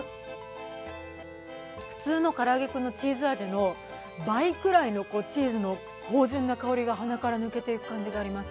普通のからあげクンのチーズ味の倍くらいのチーズの芳醇な香りが鼻から抜けていく感じがあります。